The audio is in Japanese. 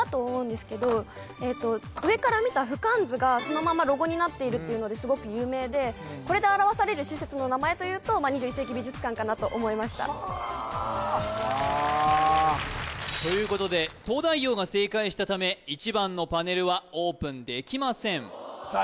上から見た俯瞰図がそのままロゴになっているっていうのですごく有名でこれで表される施設の名前というと２１世紀美術館かなと思いましたはということで東大王が正解したため１番のパネルはオープンできませんさあ